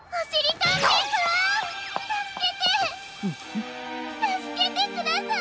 たすけてください！